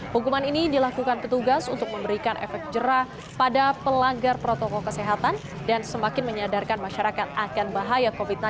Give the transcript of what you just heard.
hukuman ini dilakukan petugas untuk memberikan efek jerah pada pelanggar protokol kesehatan dan semakin menyadarkan masyarakat akan bahaya covid sembilan belas